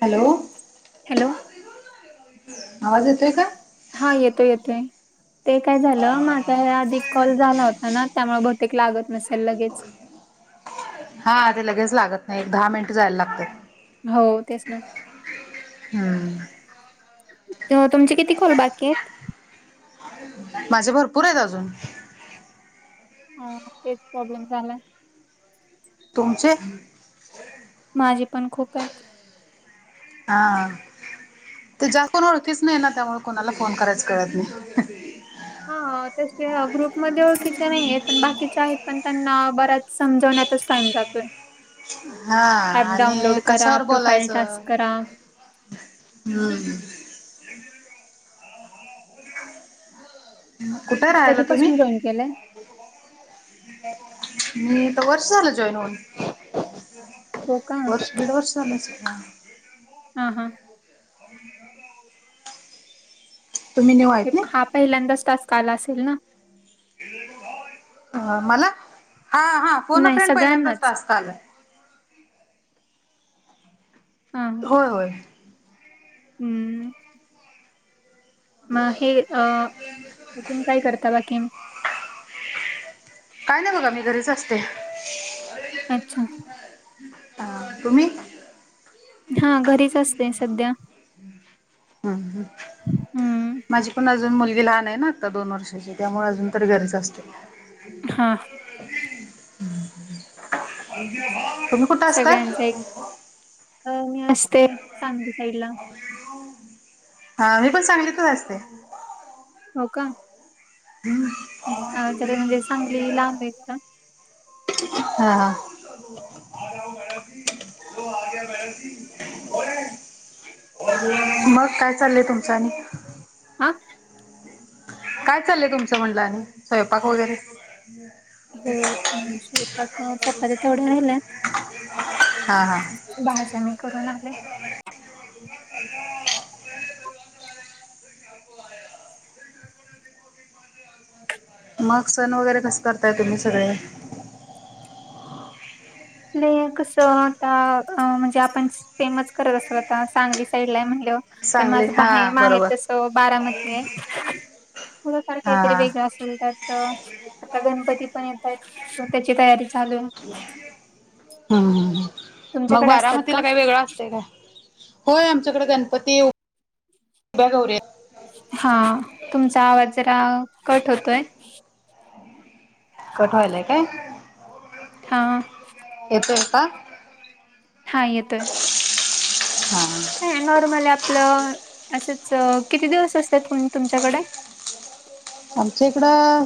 Hello hello आवाज येतय का हा येतोय येतोय ते काय झालं माझा आधी कॉल झाला होता ना त्यामुळे बहतेक लागत नसेल लगेच हा ते लगेच लागत नाही एक दहा मिनिट जायला लागत हो तेच ना हम्म तुमचे किती कॉल बाकी आहेत माझे भरपूर आहेत अजून हा तेच प्रॉब्लेम झाला तुमचे माझे पण खूप आहेत हा ते ज्या कोण ओळखीच नाही ना त्यामुळे कोणाला फोन करायच कळत नाही हा तसे ग्रुपमध्ये ओळखीचे नाही आहेत पण बाकीच्या आहेत पण त्यांना बरा्याच समजवण्यातच टाइम जातोय हा ऍप आणि डाउनलोड करा कशावर प्रोफाईल बोलायचं टास्क करा हम्म कुठे राहिला तुम्ही. कधीपासून जॉईन केलंय? मी तर वर्ष झालं जॉईन होऊन. हो का वर्ष दीड वर्ष झाच हा हां. हो. न्यू आहेत ना? हा पहिल्यांदाच तास काला असेल ना अ मला, हा हा पोन नाही फ्रेंड पहिल्यांदाच सगळ्यांनाच तासत आलं. हा. हा. होय होय. हम्म. मग हे, अ अजून काय करता बाकी. काय नाही बघा मी घरीच असते. अच्छा. अ तुमही. हा घरीच असते सध्या. हम् हम. हम्म माझी पण अजून मुलगी लहान आहे ना, आता दोन वर्षाची त्यामुळे अजून तरी गरीच असते. हा. तुम्ही कुठं असताय. सगळ्यांचा एक अ मी असते सांगली साईड ला हा मी पण सांगलीत असते. हो का. अ जरा ह म्हणजे सांगली लांब आहे जरा [inaudible] हा. [unintelligible] मग काय चाललंय तुमचं आणि. हा. काय चाललंय तुमचं म्हणलं आणि, स्वयंपाक वगैरे हो हम्म, स्वयंपाक अ, चपात्या तेवढ्या राहिल्यात हा हा. भाज्या मी करून आले. ह [inaudible] मग सण वगैरे कसं करताय तुम्ही सगळे. ले कस आता म्हणजे आपण फेमस करत असलो आता सांगली साईड ला म्हणल. पण सांगली माझं हा बाहे माहेर बरोबर तस बारामती आहे, थोडफार हा काहीतरी हा वेगळं असत. लतात आता गणपती पण येतात. त्याची तयारी चालू हम्म ह मग तुमच्याकडे असतात का? बारामतीला काही वेगळां असत का. होय आमच्याकडे गणपती उभ्या गौऱ हा तुमचा आवाज जरा कट होतोय. कट वा्हायलाय काय. हा. येत य का. हां येतोय. हा. का नॉर्मल आपलं असंच किती दिवस असतात तुमच्याकडे आमच्या इकडं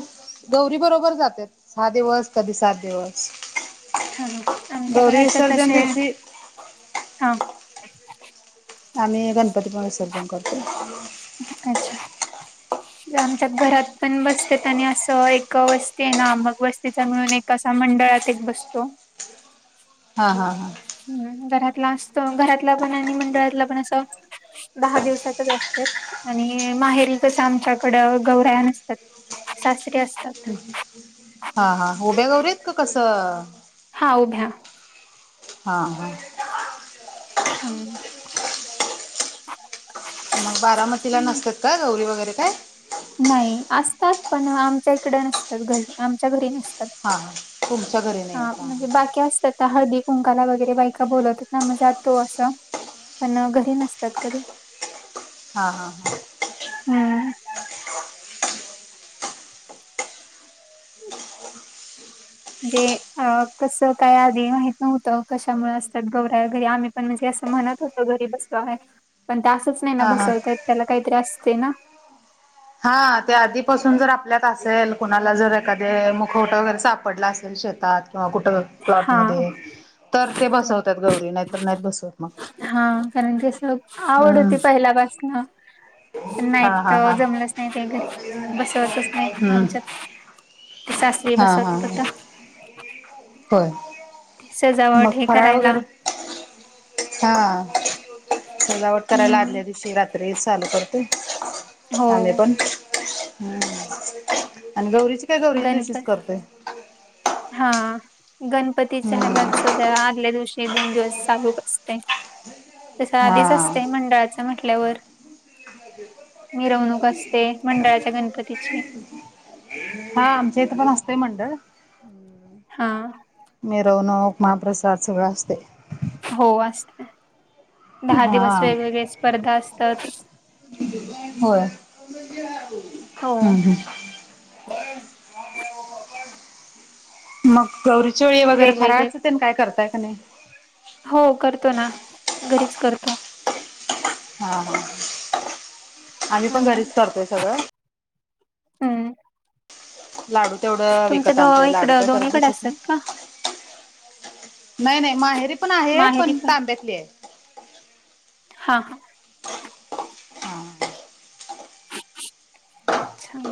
गौरी बरोबर जातात, सहा दिवस कधी सात दिवस. हा ह आमच्याकडे गौरी असतात विसर्जन तसे दिवशी हा. आम्ही गणपतीपणे विसर्जन करतो. अच्छा. आमच्या घरात पण बसत, आणि असं एक वस्ती आहे नामक बस्तीचा म्हणून एक कसा मंडळात एक बसतो. हा हा हा. हम् घरातला असतो घरातला पण आणि मंडळातला पण असं. दहा दिवसाातच असत आणि माहेरी कसं आमच्याकडं गौराया नसतात. सासरीे असतात. हा हा उभ्या गौरी आहेत का कसं? हा उभ्या हा हा. हम. मग बारामतीला हम्म. नसतात का गौरी वगैरे काय? नाही असतात पण आमच्या इकडं नसतात घरी आमच्या घरी नसतात. हां हां तुमच्या घरी नाही आहेत हां हां. आता हळदी कुंकाला वगैरे बायका बोलतच ना म जातो असं. पण घरी नसतात कधी हा हा हा. हम्म. ण जे अ कसं काय आधी माहित नव्हतं कशामुळे असतात गवऱ्या घरी आम्ही पण म्हणजे असं म्हणत होतं घरी बसतो आहे पण ते असंच नाही ना हा हा बसवतत त्याला काही त्रास असते ना. हा ते आधीपासून जर आपल्यात असेल कुणाला जर एखादे मुखवट वगैरे सापडला असेल शेतात. किंवा कुठं प्लॉट हा मध्ये तर ते बसवतात गौरी नाहीतर नाहीत बसवत मग हा कारण ती अस आवड हम्म होती पहिल्यापासन प हा नाही हा हा जमलं. नाही काही घरी बसवतच नाही हम्म आमच्यात सासवी हा हा बसवतात आता होय मग सजावट हे फराळ करायला वगैरे हा चला टतारला हम्म आगले दि शिववरात चालू करते हो आम्ही पण ह आणि गौरीची काय गौरीच्या गणप दिवशीच करतेय हा गणपतीच्या हम्म हलाच. आगल्या दिवशी दोन दिवस चालू असते त्याच्या हा आधीच असते मंडळाचा म्हटल्यावर मिरवणूक असते मंडळाच्या गणपतीची हा आमच्या इथं पण असतंय मंडळ हा. मरवन उ महाप्रसाद सु व असस्ते. हो असते दहा दिवस हा वेगवेगळे स्पर्धा असतात. होय हो हम् हम्. [inaudible] मग गौरी चोळी वगैरे वेगवेगळे फरायचंते काय करताय का नाही. हो करतो ना घरीच करतो. हा हा आम्ही पण हम्म घरीच करतोय सगळं. हम्. लाडू तेवढं तुमच्या विकत द आणतोय लाडू इकडं काय करत दोन्हीकडे बसत असतात नाही. का नाही नाही माहेरी पण आहे पण तांब्यातली आहे. हां ह. अच्छा.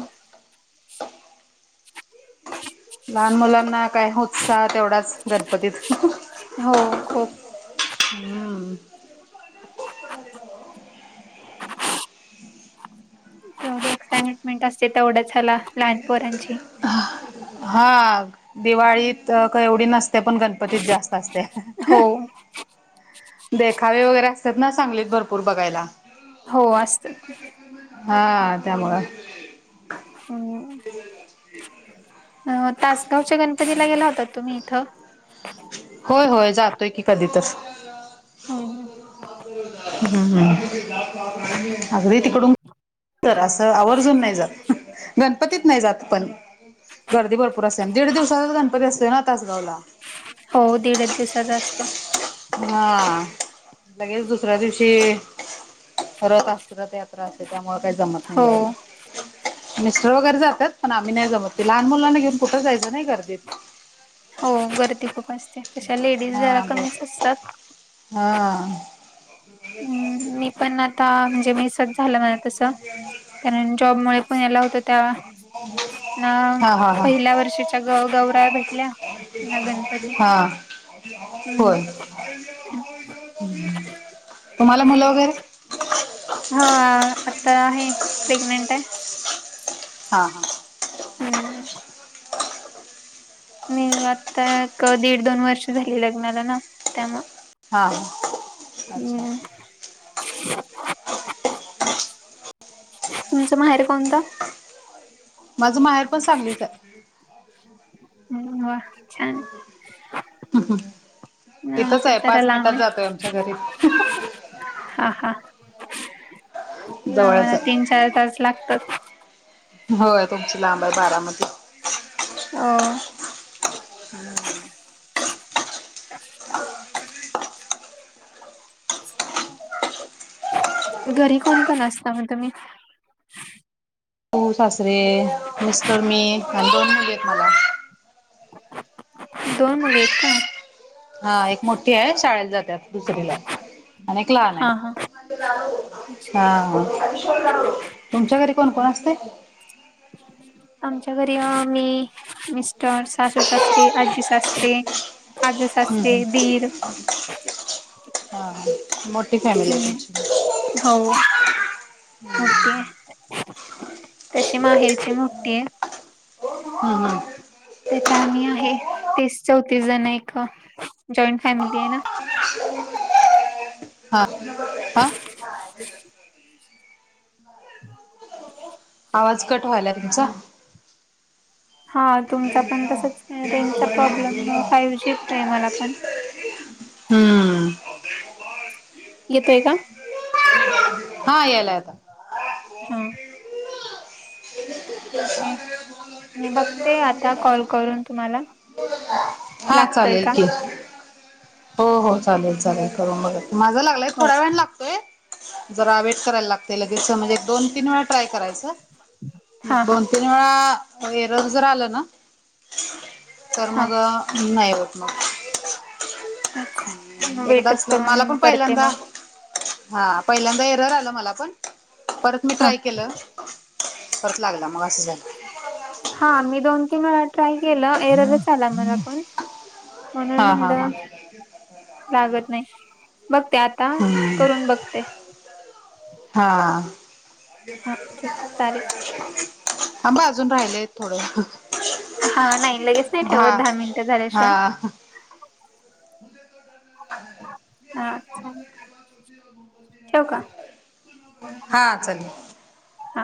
ह. लहान मुलांना काय उत्साह तेवढाच गणपतीत हो खूप हम्म. तेवढी एक्साइटमेंट असते तेवढंचला लहानपोहरांची हा दिवाळीत का एवढी नसते पण गण पतीित जास्त असते. हो देखावे वगैरे असतात ना सांगलीत भरपूर बघायला. हो असत. हां त्यामुळं हम्म. अ तासगावच्या गणपतीला गेला होता तुम्ही इथं? होय होय जातोय की कधी तर. हम्म. हम्म हम्म अगदी तिकडून तर असं आवर्जून नाही जात गणपतीत नाही जात पण. गर्दी भरपूर असते आणि दीड दिवसाचाच गणपती असतोय ना तासगावला. हो दीडच दिवसाचा असतो. हां लगेच दुसऱ्या दिवशी रथ असत रथ यात्रा असते. त्यामुळे काही जमत नाही हो जायला मिस्टर वगैरे जातात पण आम्ही नाही जमत ते लहान मुलांना घेऊन कुठ जायचं नाही गर्दीत. हो गर्दी खूप असते तशा लेडीज जरा कमीच असतात. हां. हम्म मी पण आता म्हणजे मीसच झालं म्हणा तसं कारण जॉब मुळे पण याला होत त्या ना हा हा हा पहिल्या वर्षीच्या गौ- गौराई भेटल्या. ना गणपती. हां हम्म होय. तुम्हाला मुलं वगैरे हो आता आहे प्रेग्नेंट आहे. हां हां. हम. नाही आत्ता एक, दीड, दोन वर्ष झाली लग्नाला ना त्यामुळ. हा हा अच्छा हम्म. तुमचं माहेर कोणतं? माझं माहेर पण सांगलीच आहे. हम् वा छान! इथंच आमचं आहे जरा पाच लांब मिनिटात जातोय आमच्या आहे घरी हां हां. ना जवळच मला तीन, आहे चार तास लागतात. होय तुमची लांब आहे बारामती हो. [inaudible] घरी कोण कोण असता मग तुम्ही? सासु, सासरे, मिस्टर, मी आणि दोन मुली आहेत मला. दोन मुली आहेत का? हां एक मोठी आहे शाळेला जाते आता दुसरी ला आहे. एक लहान हा हा आहे अच्छा. हां. तुमच्या घरी कोण कोण असतय? आमच्या घरी मी, मिस्टर सासू, सासरे, आज्जी सासरे, आजे हम्म सासरे, दीर हां मोठ हम्म हो. मोठ्ठी आहे तशी माहेरची मोठ्ठी आहे. हम् हम्. तीथ आम्ही आहे तीस, चौतीस जण आहे जॉईंट फॅमिली आहे ना. हां हां. [inaudible] आवाज कट व्हायलाय तुमचा. हा तुमचा पण तसच रेंजचा प्रॉब्लेम फाइव्ह जी आहे मला पण हम्म येतोय का हा येला ययता हा ठीक आहे मी बघते आता कॉल करून तुम्हाला हा लागतोय चालेल का? की हो हो चालेल चालेल करून बघा माझा लागलाय हो थोड्या वेळानं लागतोय जरा वेट करायला लागतंय लगेच म्हणजे दोन तीन वेळा ट्राय करायचं मग हा हा. दोन ते वेळा एरर जर आलं ना तर हा मग नाही होत मग अच्छा मग एकदाच वेटच मला करून पण करते पहिल्यांदा मग हा पहिल्यांदा एरर आलं मला पण परत मी हा. ट्राय केलं परत लागला मग असं झालं हा मी दोन तीन वेळा ट्राय केलं एरर आला मला पण म्हणून हा हा म्हणलं हा लागत नाही बघते आता हम्म करून बघते हा हा ठीक आहे चालेल. थांबा अजून राहिलंय थोडं हा नाही लगेच नाही ठेवत दहा मिनिटं हा झाल्याशिवाय अच्छा हा चाले हा.